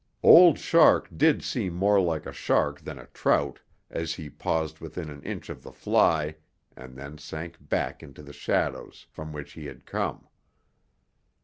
Old Shark did seem more like a shark than a trout as he paused within an inch of the fly and then sank back into the shadows from which he had come.